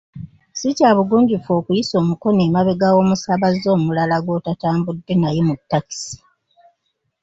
Si kya bugunjufu okuyisa omukono emabega w’omusaabaze omulala gw’otatambudde naye mu takisi.